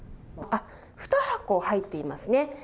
あっ、２箱入っていますね。